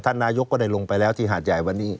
นายกก็ได้ลงไปแล้วที่หาดใหญ่วันนี้